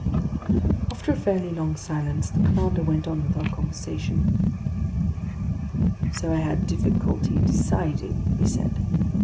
After a fairly long silence, the commander went on with our conversation. "So I had difficulty deciding," he said.